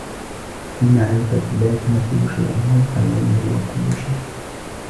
المعرفة لا تمثل شيئا ، و الخيال هو كل شيء.